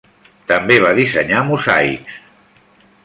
També va dissenyar mosaics.